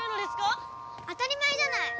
当たり前じゃない！